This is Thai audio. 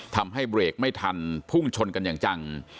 ทำให้เบรกไม่ทันพุ่งชนกันอย่างจัง